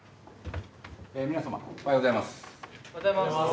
おはようございます。